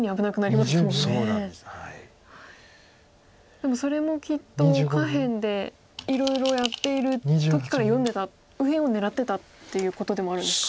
でもそれもきっと下辺でいろいろやっている時から読んでた右辺を狙ってたということでもあるんですか。